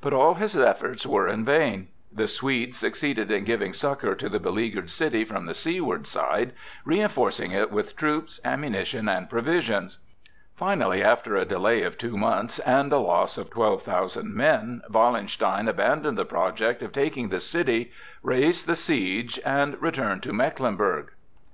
But all his efforts were in vain. The Swedes succeeded in giving succor to the beleaguered city from the seaward side, reinforcing it with troops, ammunition, and provisions. Finally, after a delay of two months and a loss of twelve thousand men, Wallenstein abandoned the project of taking the city, raised the siege, and returned to Mecklenburg.